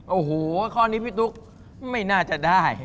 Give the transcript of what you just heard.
โอ้โหข้อนี้พี่ตุ๊กไม่น่าจะได้